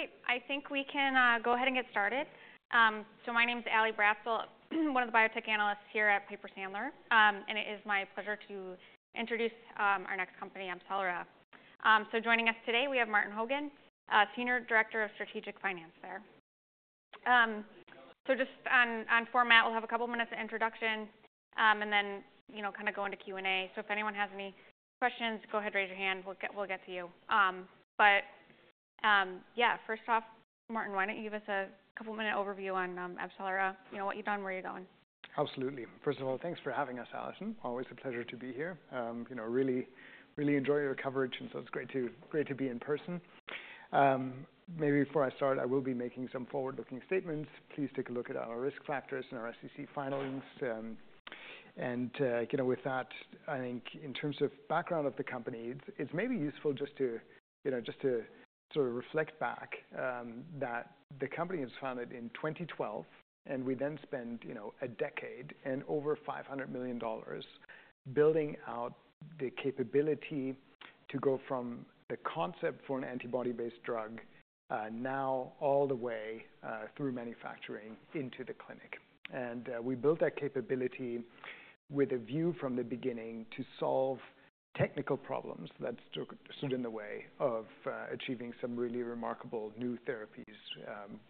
Okay, I think we can go ahead and get started. My name's Ally Bratzel, one of the biotech analysts here at Piper Sandler. And it is my pleasure to introduce our next company, AbCellera. So joining us today, we have Martin Hogan, Senior Director of Strategic Finance there. So just on format, we'll have a couple minutes of introduction, and then you know, kinda go into Q&A. So if anyone has any questions, go ahead, raise your hand. We'll get to you. But yeah, first off, Martin, why don't you give us a couple-minute overview on AbCellera, you know, what you've done, where you're going? Absolutely. First of all, thanks for having us, Ally. Always a pleasure to be here. You know, really, really enjoy your coverage, and so it's great to, great to be in person. Maybe before I start, I will be making some forward-looking statements. Please take a look at our risk factors and our SEC filings, and you know, with that, I think in terms of background of the company, it's, it's maybe useful just to, you know, just to sort of reflect back that the company was founded in 2012, and we then spent, you know, a decade and over $500 million building out the capability to go from the concept for an antibody-based drug, now all the way, through manufacturing into the clinic. And we built that capability with a view from the beginning to solve technical problems that stood in the way of achieving some really remarkable new therapies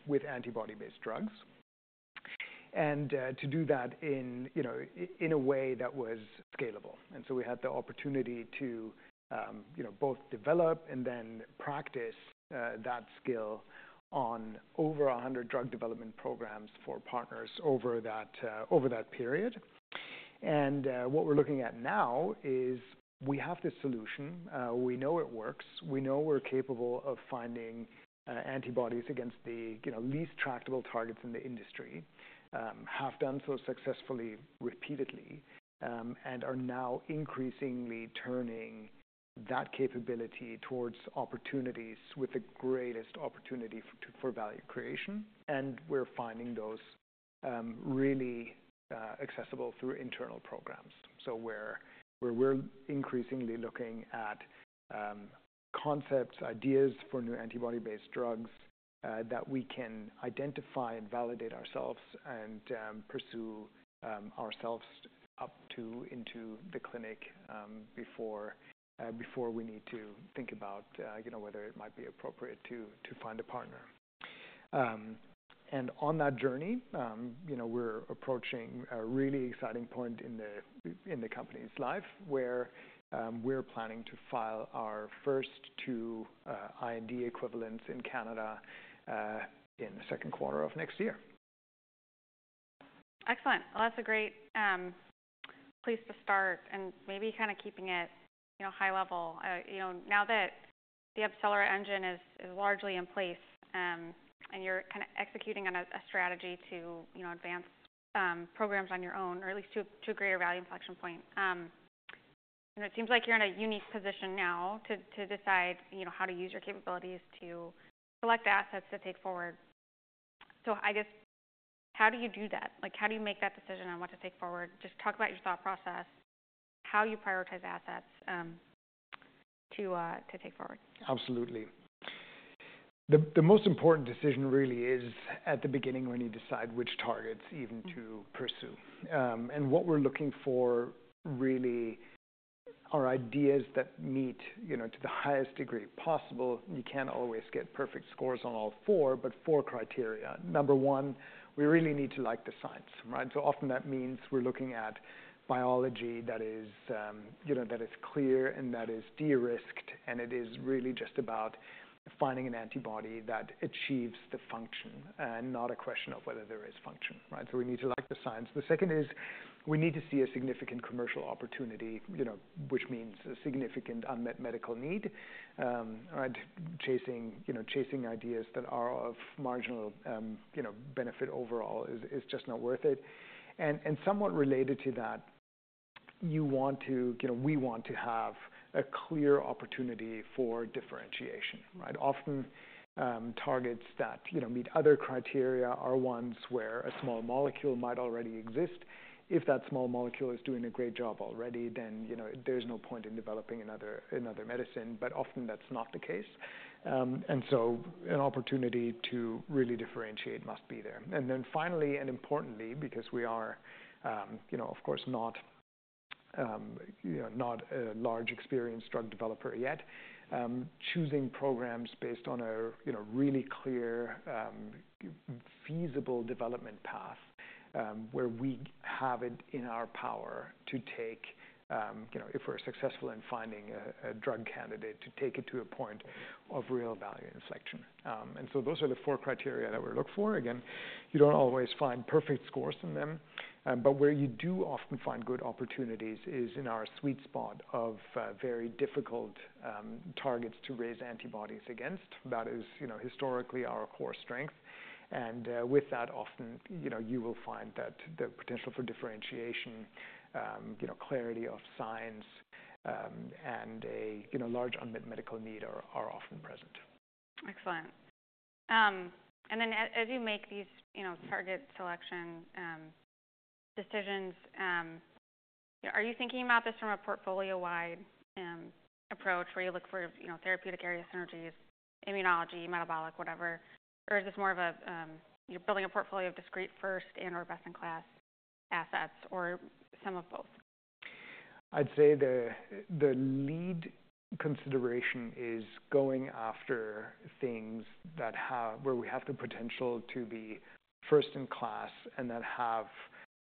with antibody-based drugs. And to do that you know in a way that was scalable. And so we had the opportunity to you know both develop and then practice that skill on over 100 drug development programs for partners over that period. And what we're looking at now is we have the solution, we know it works, we know we're capable of finding antibodies against the you know least tractable targets in the industry, have done so successfully repeatedly, and are now increasingly turning that capability towards opportunities with the greatest opportunity for value creation. And we're finding those really accessible through internal programs. So we're increasingly looking at concepts, ideas for new antibody-based drugs that we can identify and validate ourselves and pursue ourselves up to into the clinic, before we need to think about, you know, whether it might be appropriate to find a partner, and on that journey, you know, we're approaching a really exciting point in the company's life where we're planning to file our first two IND equivalents in Canada in the second quarter of next year. Excellent. Well, that's a great place to start and maybe kinda keeping it, you know, high level. You know, now that the AbCellera enGene is largely in place, and you're kinda executing on a strategy to, you know, advance programs on your own or at least to a greater value inflection point. You know, it seems like you're in a unique position now to decide, you know, how to use your capabilities to select assets to take forward. So I guess, how do you do that? Like, how do you make that decision on what to take forward? Just talk about your thought process, how you prioritize assets to take forward. Absolutely. The most important decision really is at the beginning when you decide which targets even to pursue, and what we're looking for really are ideas that meet, you know, to the highest degree possible. You can't always get perfect scores on all four, but four criteria. Number one, we really need to like the science, right? So often that means we're looking at biology that is, you know, that is clear and that is de-risked, and it is really just about finding an antibody that achieves the function and not a question of whether there is function, right? So we need to like the science. The second is we need to see a significant commercial opportunity, you know, which means a significant unmet medical need, right? Chasing, you know, ideas that are of marginal, you know, benefit overall is just not worth it. Somewhat related to that, you want to, you know, we want to have a clear opportunity for differentiation, right? Often, targets that, you know, meet other criteria are ones where a small molecule might already exist. If that small molecule is doing a great job already, then, you know, there's no point in developing another medicine, but often that's not the case, and so an opportunity to really differentiate must be there. Then finally, and importantly, because we are, you know, of course not, you know, not a large experienced drug developer yet, choosing programs based on a, you know, really clear, feasible development path, where we have it in our power to take, you know, if we're successful in finding a drug candidate, to take it to a point of real value inflection, and so those are the four criteria that we look for. Again, you don't always find perfect scores in them, but where you do often find good opportunities is in our sweet spot of very difficult targets to raise antibodies against. That is, you know, historically our core strength, and with that, often, you know, you will find that the potential for differentiation, you know, clarity of science, and a, you know, large unmet medical need are often present. Excellent. And then, as you make these, you know, target selection decisions, are you thinking about this from a portfolio-wide approach where you look for, you know, therapeutic area synergies, immunology, metabolic, whatever, or is this more of a, you're building a portfolio of discrete first and/or best-in-class assets or some of both? I'd say the lead consideration is going after things that have where we have the potential to be first in class and that have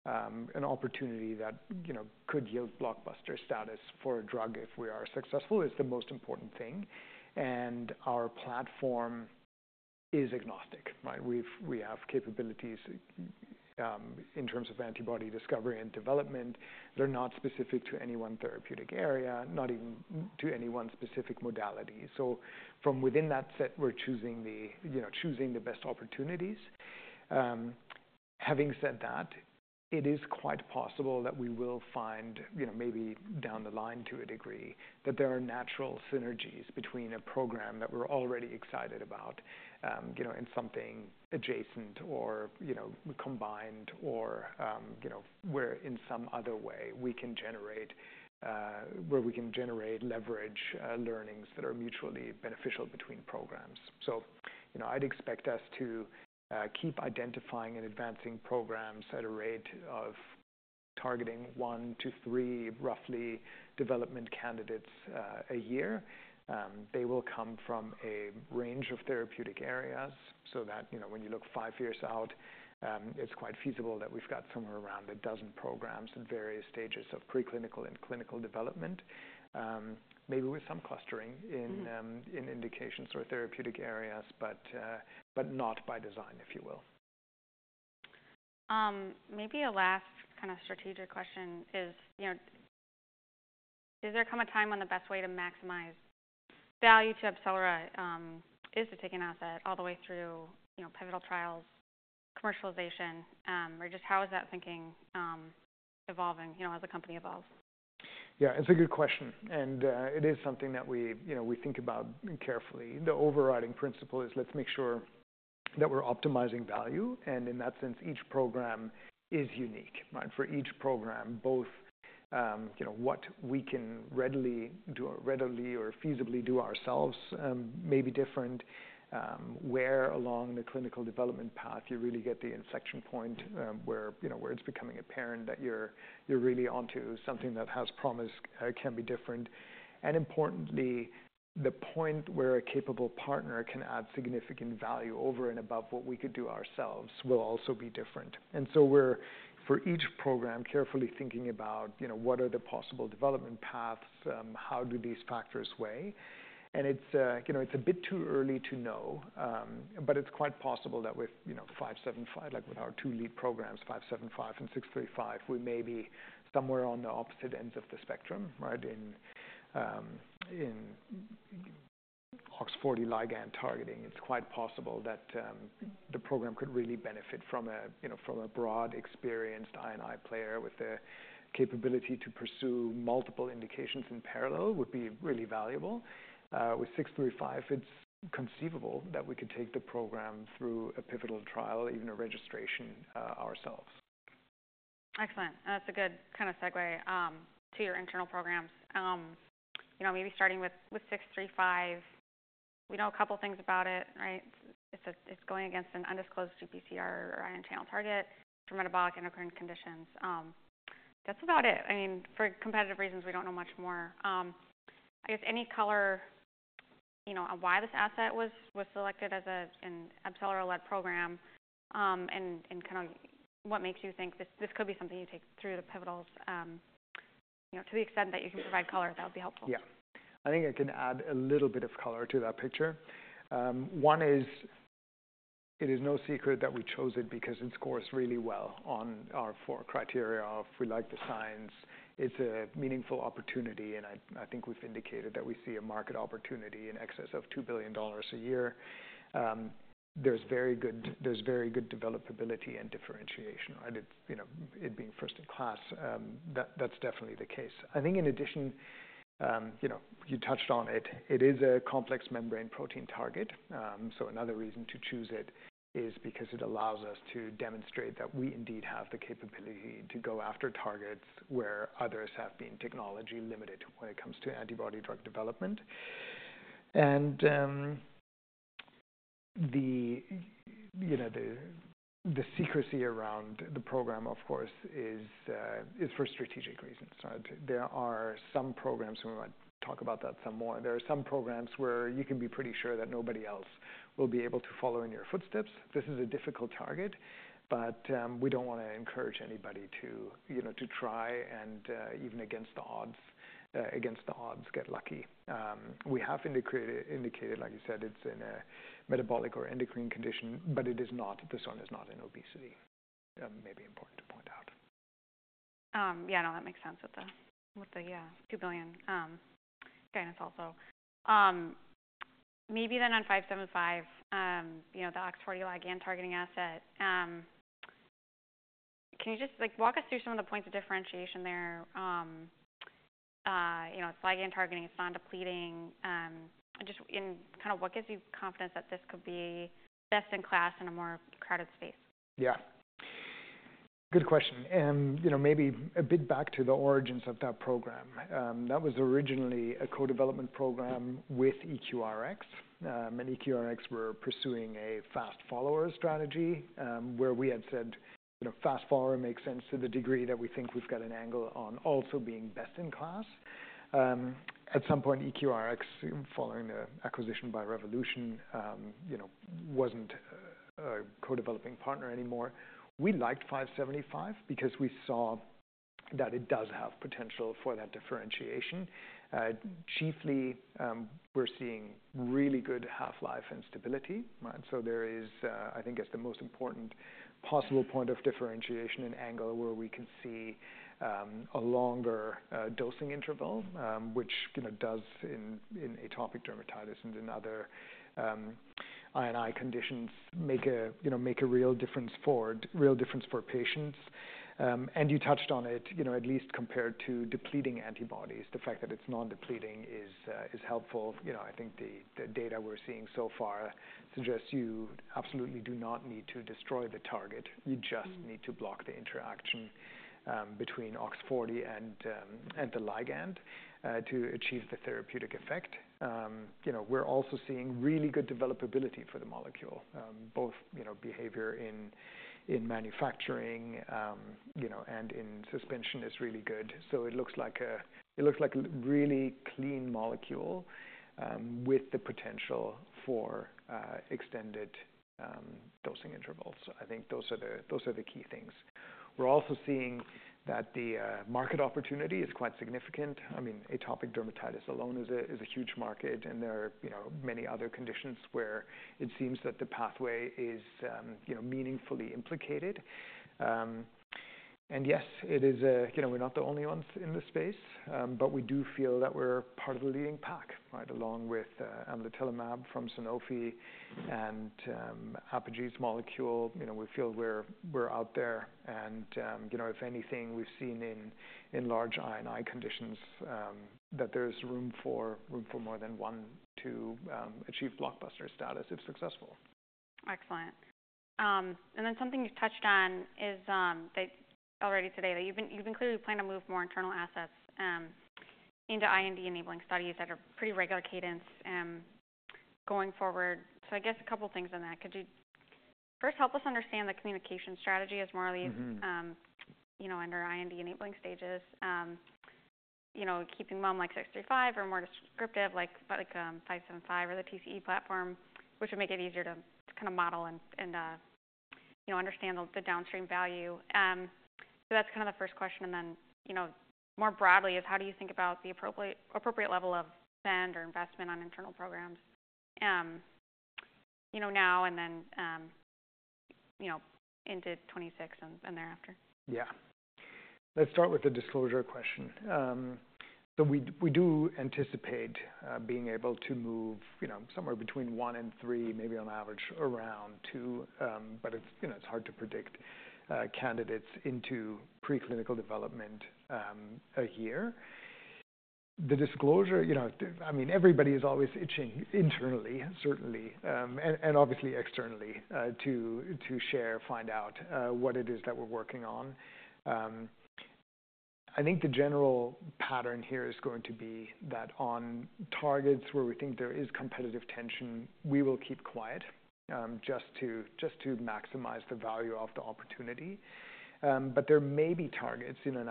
an opportunity that, you know, could yield blockbuster status for a drug if we are successful is the most important thing, and our platform is agnostic, right? We have capabilities in terms of antibody discovery and development. They're not specific to any one therapeutic area, not even to any one specific modality, so from within that set, we're choosing, you know, the best opportunities. Having said that, it is quite possible that we will find, you know, maybe down the line to a degree, that there are natural synergies between a program that we're already excited about, you know, and something adjacent or, you know, combined or, you know, where in some other way we can generate, where we can generate leverage, learnings that are mutually beneficial between programs. So, you know, I'd expect us to keep identifying and advancing programs at a rate of targeting one to three roughly development candidates a year. They will come from a range of therapeutic areas so that, you know, when you look five years out, it's quite feasible that we've got somewhere around a dozen programs in various stages of preclinical and clinical development, maybe with some clustering in, in indications or therapeutic areas, but, but not by design, if you will. Maybe a last kinda strategic question is, you know, is there come a time when the best way to maximize value to AbCellera, is to take an asset all the way through, you know, pivotal trials, commercialization, or just how is that thinking, evolving, you know, as a company evolves? Yeah, it's a good question. And, it is something that we, you know, we think about carefully. The overriding principle is let's make sure that we're optimizing value. And in that sense, each program is unique, right? For each program, both, you know, what we can readily do, readily or feasibly do ourselves, may be different, where along the clinical development path you really get the inflection point, where, you know, where it's becoming apparent that you're really onto something that has promise, can be different. And importantly, the point where a capable partner can add significant value over and above what we could do ourselves will also be different. And so we're, for each program, carefully thinking about, you know, what are the possible development paths, how do these factors weigh? It's, you know, it's a bit too early to know, but it's quite possible that with, you know, 575, like with our two lead programs, 575 and 635, we may be somewhere on the opposite ends of the spectrum, right? In OX40 ligand targeting, it's quite possible that the program could really benefit from a, you know, from a broad experienced I&I player with a capability to pursue multiple indications in parallel would be really valuable. With 635, it's conceivable that we could take the program through a pivotal trial, even a registration, ourselves. Excellent. That's a good kinda segue to your internal programs. You know, maybe starting with 635, we know a couple things about it, right? It's a, it's going against an undisclosed GPCR or ion channel target for metabolic endocrine conditions. That's about it. I mean, for competitive reasons, we don't know much more. I guess any color, you know, on why this asset was selected as an AbCellera-led program, and kinda what makes you think this could be something you take through the pivotals, you know, to the extent that you can provide color, that would be helpful. Yeah. I think I can add a little bit of color to that picture. One is it is no secret that we chose it because it scores really well on our four criteria of we like the science. It's a meaningful opportunity, and I, I think we've indicated that we see a market opportunity in excess of $2 billion a year. There's very good developability and differentiation, right? It's, you know, it being first in class, that's definitely the case. I think in addition, you know, you touched on it, it is a complex membrane protein target. So another reason to choose it is because it allows us to demonstrate that we indeed have the capability to go after targets where others have been technology limited when it comes to antibody drug development. The you know the secrecy around the program of course is for strategic reasons right? There are some programs and we might talk about that some more. There are some programs where you can be pretty sure that nobody else will be able to follow in your footsteps. This is a difficult target but we don't wanna encourage anybody to you know to try and even against the odds get lucky. We have indicated like you said it's in a metabolic or endocrine condition but it is not this one is not an obesity maybe important to point out. Yeah, no, that makes sense with the $2 billion guidance also. Maybe then on 575, you know, the OX40 ligand targeting asset, can you just, like, walk us through some of the points of differentiation there? You know, it's ligand targeting, it's non-depleting, just in kinda what gives you confidence that this could be best in class in a more crowded space? Yeah. Good question. You know, maybe a bit back to the origins of that program. That was originally a co-development program with EQRx. EQRx were pursuing a fast follower strategy, where we had said, you know, fast follower makes sense to the degree that we think we've got an angle on also being best in class. At some point, EQRx, following the acquisition by Revolution, you know, wasn't a co-developing partner anymore. We liked 575 because we saw that it does have potential for that differentiation. Chiefly, we're seeing really good half-life and stability, right? So there is, I think it's the most important possible point of differentiation and angle where we can see a longer dosing interval, which, you know, does in atopic dermatitis and in other I&I conditions make a real difference for patients. And you touched on it, you know, at least compared to depleting antibodies, the fact that it's non-depleting is helpful. You know, I think the data we're seeing so far suggests you absolutely do not need to destroy the target. You just need to block the interaction between OX40 and the ligand to achieve the therapeutic effect. You know, we're also seeing really good developability for the molecule, both, you know, behavior in manufacturing, you know, and in suspension is really good. So it looks like a really clean molecule with the potential for extended dosing intervals. I think those are the key things. We're also seeing that the market opportunity is quite significant. I mean, atopic dermatitis alone is a huge market, and there are, you know, many other conditions where it seems that the pathway is, you know, meaningfully implicated. And yes, it is a, you know, we're not the only ones in this space, but we do feel that we're part of the leading pack, right? Along with amlitelimab from Sanofi and APG's molecule, you know, we feel we're out there. And you know, if anything, we've seen in large I&I conditions that there's room for more than one to achieve blockbuster status if successful. Excellent, and then something you've touched on is that already today you've been clearly planning to move more internal assets into IND enabling studies at a pretty regular cadence going forward. So I guess a couple things on that. Could you first help us understand the communication strategy as more of these. Mm-hmm. You know, under IND-enabling stages, you know, keeping them like 635 or more descriptive like 575 or the TCE platform, which would make it easier to kinda model and, you know, understand the downstream value. So that's kinda the first question. Then, you know, more broadly is how do you think about the appropriate level of spend or investment on internal programs, you know, now and then, you know, into 2026 and thereafter? Yeah. Let's start with the disclosure question. So we do anticipate being able to move, you know, somewhere between one and three, maybe on average around two, but it's, you know, hard to predict, candidates into preclinical development a year. The disclosure, you know, I mean, everybody is always itching internally, certainly, and obviously externally, to share, find out, what it is that we're working on. I think the general pattern here is going to be that on targets where we think there is competitive tension, we will keep quiet, just to maximize the value of the opportunity. But there may be targets, you know, and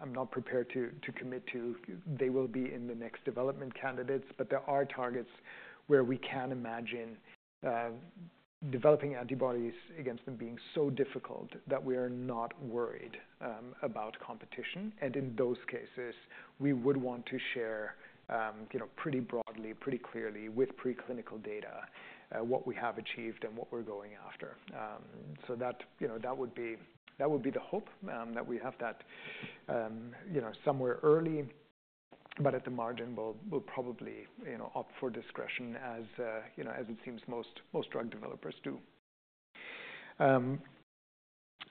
I'm not prepared to commit to they will be in the next development candidates, but there are targets where we can imagine developing antibodies against them being so difficult that we are not worried about competition. And in those cases, we would want to share, you know, pretty broadly, pretty clearly with preclinical data, what we have achieved and what we're going after. So that, you know, that would be, that would be the hope, that we have that, you know, somewhere early, but at the margin, we'll, we'll probably, you know, opt for discretion as, you know, as it seems most, most drug developers do.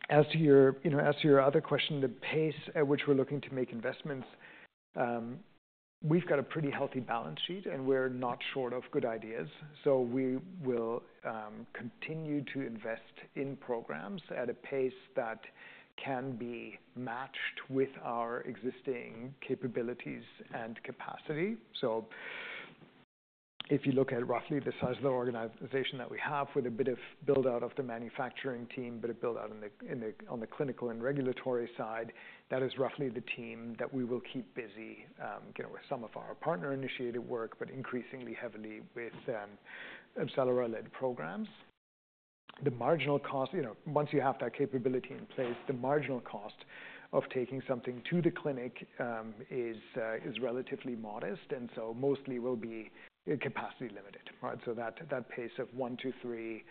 As to your, you know, as to your other question, the pace at which we're looking to make investments, we've got a pretty healthy balance sheet, and we're not short of good ideas. So we will continue to invest in programs at a pace that can be matched with our existing capabilities and capacity. So if you look at roughly the size of the organization that we have with a bit of build-out of the manufacturing team, but a build-out in the, on the clinical and regulatory side, that is roughly the team that we will keep busy, you know, with some of our partner-initiated work, but increasingly heavily with AbCellera-led programs. The marginal cost, you know, once you have that capability in place, the marginal cost of taking something to the clinic, is relatively modest. And so mostly will be capacity limited, right? So that pace of one, two, three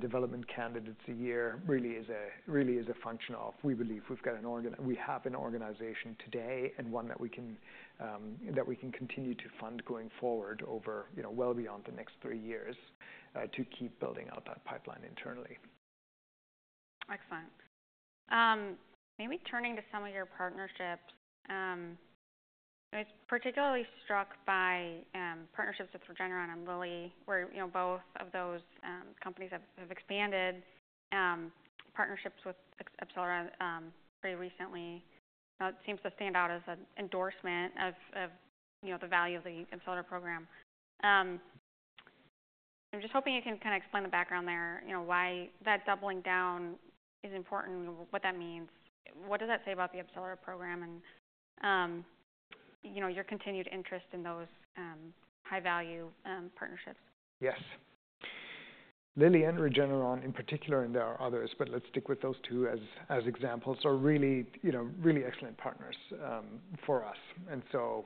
development candidates a year really is a function of. We believe we have an organization today and one that we can continue to fund going forward over, you know, well beyond the next three years, to keep building out that pipeline internally. Excellent. Maybe turning to some of your partnerships, I was particularly struck by partnerships with Regeneron and Lilly where, you know, both of those companies have expanded partnerships with AbCellera pretty recently. It seems to stand out as an endorsement of, you know, the value of the AbCellera program. I'm just hoping you can kinda explain the background there, you know, why that doubling down is important, what that means, what does that say about the AbCellera program and, you know, your continued interest in those high-value partnerships. Yes. Lilly and Regeneron in particular, and there are others, but let's stick with those two as examples are really, you know, really excellent partners for us. And so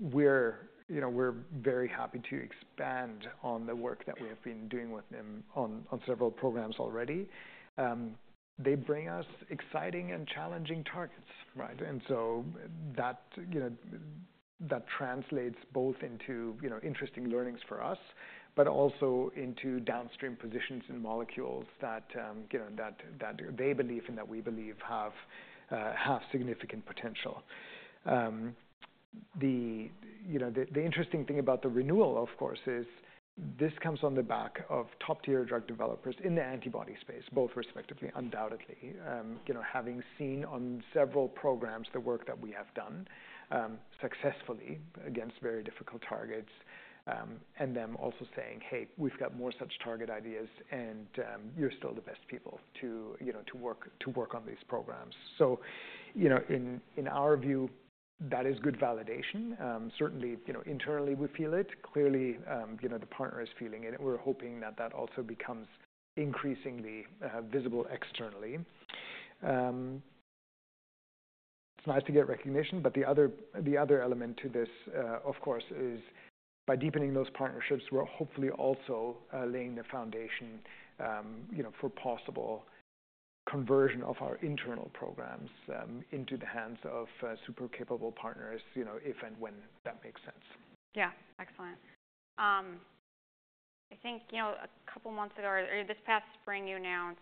we're, you know, we're very happy to expand on the work that we have been doing with them on several programs already. They bring us exciting and challenging targets, right? And so that, you know, that translates both into, you know, interesting learnings for us, but also into downstream positions in molecules that, you know, that they believe and that we believe have significant potential. You know, the interesting thing about the renewal, of course, is this comes on the back of top-tier drug developers in the antibody space, both respectively, undoubtedly, you know, having seen on several programs the work that we have done, successfully against very difficult targets, and them also saying, "Hey, we've got more such target ideas, and you're still the best people to, you know, to work on these programs." So, you know, in our view, that is good validation. Certainly, you know, internally we feel it clearly, you know, the partner is feeling it, and we're hoping that that also becomes increasingly visible externally. It's nice to get recognition, but the other, the other element to this, of course, is by deepening those partnerships, we're hopefully also laying the foundation, you know, for possible conversion of our internal programs into the hands of super capable partners, you know, if and when that makes sense. Yeah. Excellent. I think, you know, a couple months ago or this past spring, you announced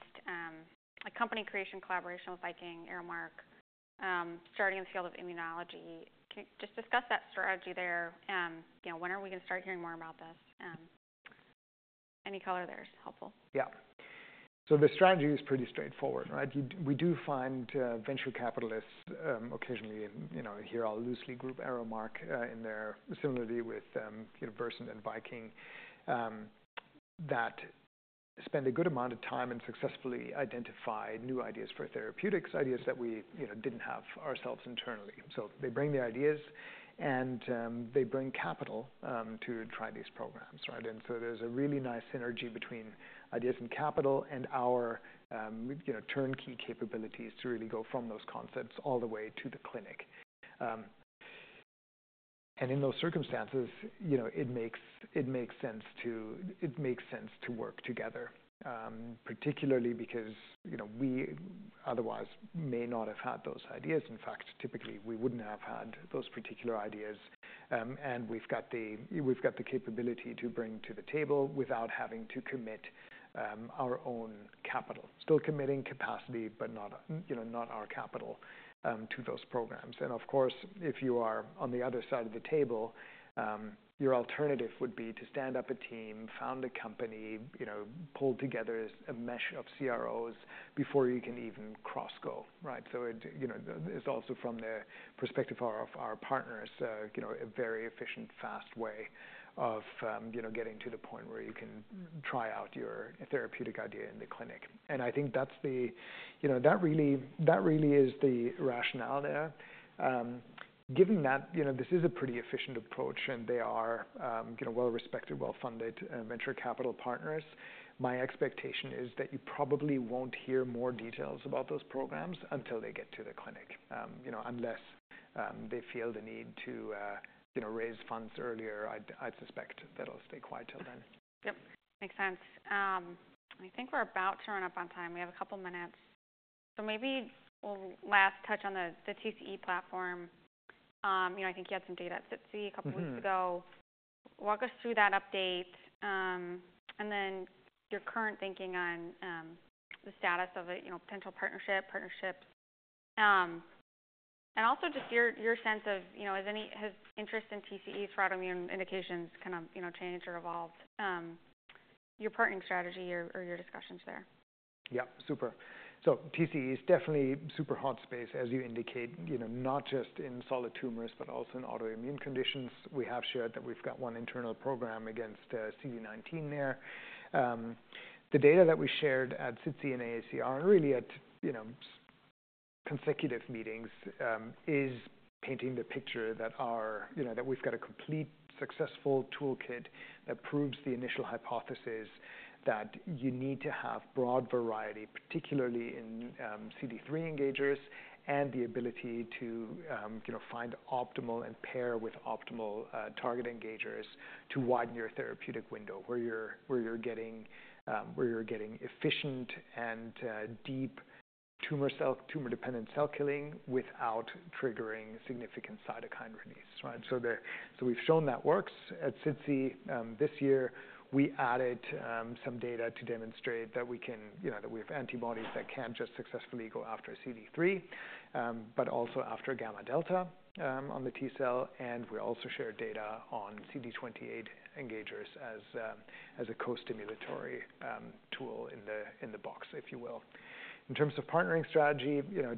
a company creation collaboration with Viking and ArrowMark, starting in the field of immunology. Can you just discuss that strategy there? You know, when are we gonna start hearing more about this? Any color there is helpful. Yeah. So the strategy is pretty straightforward, right? We do find venture capitalists, occasionally, you know, here I'll loosely group ArrowMark, in their similarity with, you know, Versant and Viking, that spend a good amount of time and successfully identify new ideas for therapeutics, ideas that we, you know, didn't have ourselves internally. So they bring the ideas and they bring capital to try these programs, right? And so there's a really nice synergy between ideas and capital and our, you know, turnkey capabilities to really go from those concepts all the way to the clinic, and in those circumstances, you know, it makes sense to work together, particularly because, you know, we otherwise may not have had those ideas. In fact, typically we wouldn't have had those particular ideas. We've got the capability to bring to the table without having to commit our own capital, still committing capacity, but not, you know, not our capital, to those programs. And of course, if you are on the other side of the table, your alternative would be to stand up a team, found a company, you know, pull together a mesh of CROs before you can even get going, right? It's also from the perspective of our partners, you know, a very efficient, fast way of, you know, getting to the point where you can try out your therapeutic idea in the clinic. And I think that's the, you know, that really is the rationale there. Given that, you know, this is a pretty efficient approach and they are, you know, well-respected, well-funded, venture capital partners, my expectation is that you probably won't hear more details about those programs until they get to the clinic, you know, unless they feel the need to, you know, raise funds earlier. I'd suspect that'll stay quiet till then. Yep. Makes sense. I think we're about to run up on time. We have a couple minutes. So maybe we'll last touch on the TCE platform. You know, I think you had some data at SITC a couple weeks ago. Walk us through that update, and then your current thinking on the status of a potential partnership, partnerships. And also just your sense of, you know, has interest in TCEs for autoimmune indications kind of changed or evolved, your partnering strategy or your discussions there? Yep. Super. So TCE is definitely super hot space, as you indicate, you know, not just in solid tumors, but also in autoimmune conditions. We have shared that we've got one internal program against CD19 there. The data that we shared at SITC and AACR and really at, you know, consecutive meetings, is painting the picture that our, you know, that we've got a complete successful toolkit that proves the initial hypothesis that you need to have broad variety, particularly in CD3 engagers and the ability to, you know, find optimal and pair with optimal target engagers to widen your therapeutic window where you're getting efficient and deep tumor cell tumor-dependent cell killing without triggering significant cytokine release, right? So there, so we've shown that works at SITC. This year we added some data to demonstrate that we can, you know, that we have antibodies that can just successfully go after CD3, but also after gamma delta, on the T cell, and we also share data on CD28 engagers as a co-stimulatory tool in the box, if you will. In terms of partnering strategy, you know,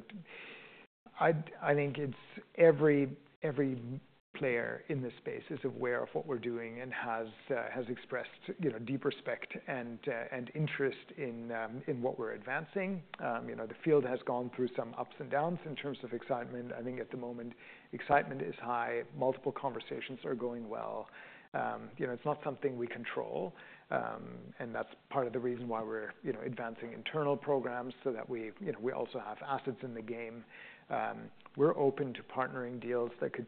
I think it's every player in this space is aware of what we're doing and has expressed, you know, deep respect and interest in what we're advancing. You know, the field has gone through some ups and downs in terms of excitement. I think at the moment excitement is high. Multiple conversations are going well. You know, it's not something we control. And that's part of the reason why we're, you know, advancing internal programs so that we, you know, we also have assets in the game. We're open to partnering deals that could,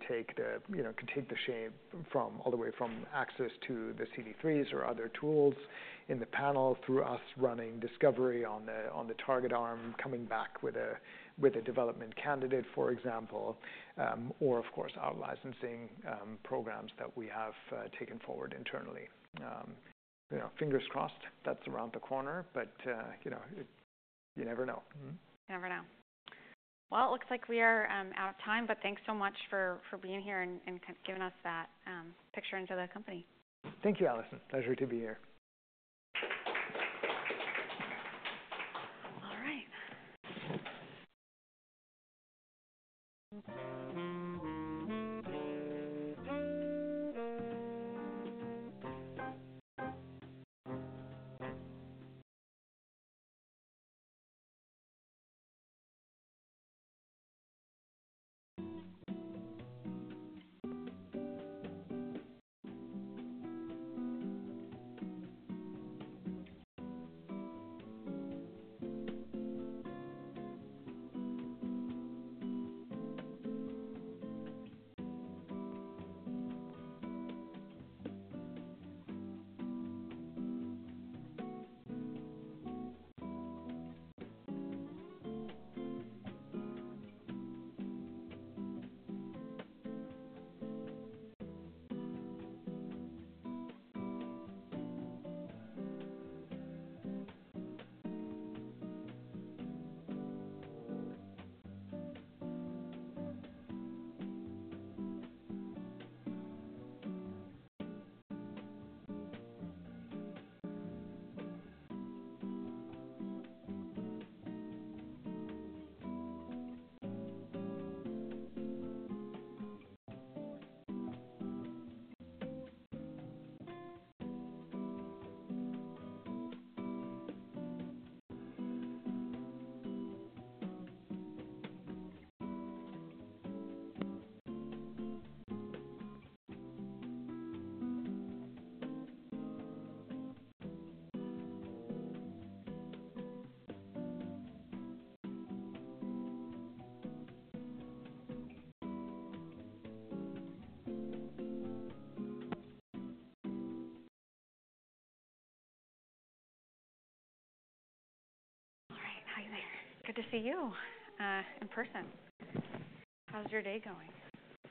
you know, take the shape from all the way from access to the CD3s or other tools in the panel through us running discovery on the target arm, coming back with a development candidate, for example, or of course outlicensing programs that we have taken forward internally. You know, fingers crossed that's around the corner, but, you know, you never know. Never know. Well, it looks like we are out of time, but thanks so much for being here and kind of giving us that picture into the company. Thank you, Ally. Pleasure to be here. All right. All right. How are you? Good to see you, in person. How's your day going?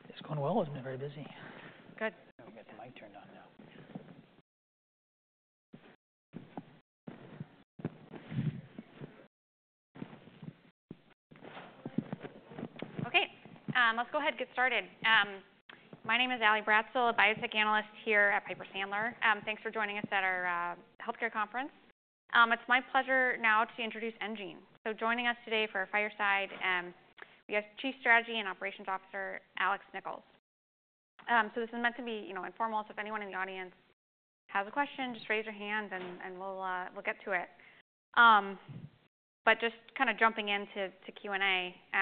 It's going well. It's been very busy. Good. I'm gonna get the mic turned on now. Okay, let's go ahead and get started. My name is Ally Bratzel, a biotech analyst here at Piper Sandler. Thanks for joining us at our healthcare conference. It's my pleasure now to introduce Engine. Joining us today for fireside, we have Chief Strategy and Operations Officer Alex Nichols. This is meant to be, you know, informal. If anyone in the audience has a question, just raise your hand and we'll get to it, but just kinda jumping into Q&A.